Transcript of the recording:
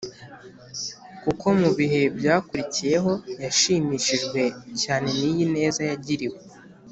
kuko mu bihe byakurikiyeho yashimishijwe cyane n’iyi neza yagiriwe